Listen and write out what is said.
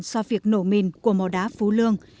so với việc nổ mìn của mò đá phú lương